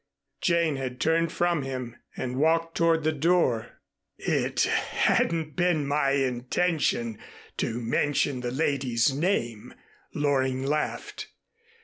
Jane had turned from him and walked toward the door. "It hadn't been my intention to mention the lady's name," Loring laughed.